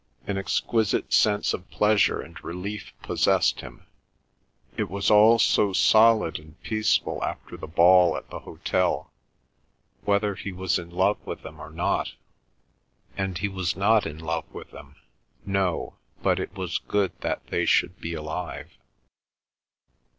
An exquisite sense of pleasure and relief possessed him; it was all so solid and peaceful after the ball at the hotel, whether he was in love with them or not, and he was not in love with them; no, but it was good that they should be alive.